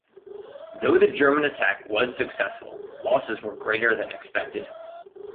Though the German attack was successful, losses were greater than expected.